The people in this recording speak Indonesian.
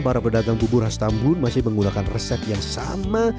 para pedagang bubur hastambul masih menggunakan resep yang sama